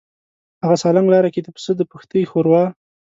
هغه سالنګ لاره کې د پسه د پښتۍ ښوروا.